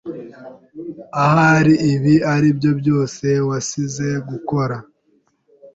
Ahari ibi aribyo byose wasize gukora.